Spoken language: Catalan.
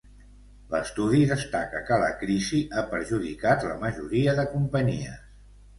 I l’estudi destaca que la crisi ha perjudicat la majoria de companyies.